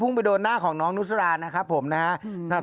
ไปโดนหน้าของน้องนุสรานะครับผมนะครับ